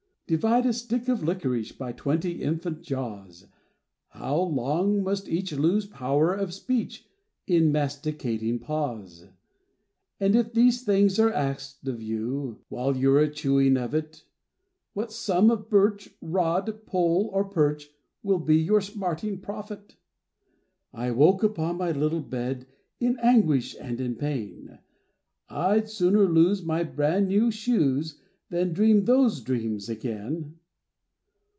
Divide a stick of licorice By twenty infant jaws, How long must each lose power of speech In masticating pause? And if these things are asked of you, While you're a chewing of it, What sum of birch, rod, pole or perch Will be your smarting profit? I woke upon my little bed In anguish and in pain. I'd sooner lose my brand new shoes Than dream those dreams again.